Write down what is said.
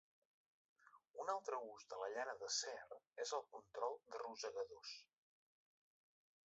Un altre ús de la llana d'acer és el control de rosegadors.